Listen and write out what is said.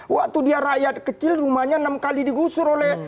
waktu dia rakyat kecil rumahnya enam kali digusur oleh